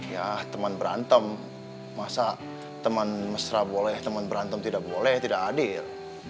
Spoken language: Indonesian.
ya teman berantem masa teman mesra boleh teman berantem tidak boleh tidak hadir